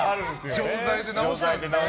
錠剤で治したんですね。